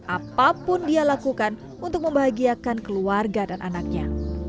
apapun dia lakukan untuk membahagiakan keluarga dan anaknya